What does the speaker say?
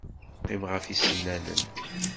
Teqqim ɣef yisennanen.